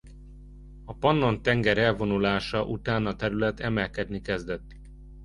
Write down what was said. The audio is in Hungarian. A Pannon-tenger elvonulása után a terület emelkedni kezdett.